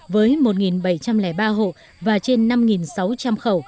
với một bảy trăm linh ba hộ và trên năm sáu trăm linh khẩu